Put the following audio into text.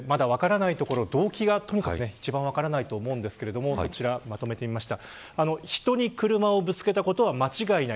まだ分からないところ、動機がとにかく一番分からないと思いますがこちらにまとめてみました。